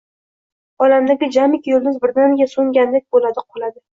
olamdagi jamiki yulduz birdaniga so‘ngandek bo‘ladi-qoladi!